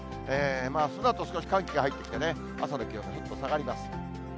そのあと少し寒気が入ってきて、朝の気温、ちょっと下がります。